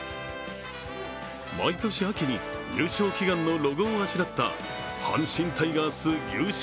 毎年、秋に優勝祈願のロゴをあしらった阪神タイガース優勝